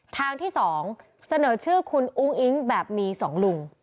ทางที่๒เสนอชื่อคุณอุ้งอิ๊งแบบมี๒ลุง